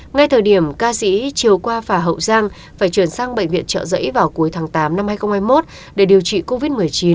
ngay thời điểm ca sĩ chiều qua phà hậu giang phải chuyển sang bệnh viện trợ giấy vào cuối tháng tám năm hai nghìn hai mươi một để điều trị covid một mươi chín